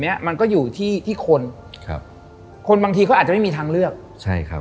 เนี้ยมันก็อยู่ที่ที่คนครับคนบางทีเขาอาจจะไม่มีทางเลือกใช่ครับ